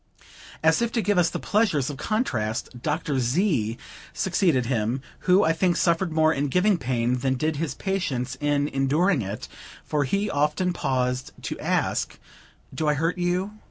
As if to give us the pleasures of contrast, Dr. Z. succeeded him, who, I think, suffered more in giving pain than did his patients in enduring it; for he often paused to ask: "Do I hurt you?"